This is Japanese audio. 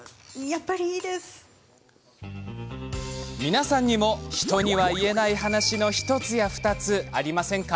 皆さんにも人には言えない話の１つや２つありませんか？